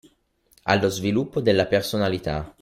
Allo sviluppo della personalità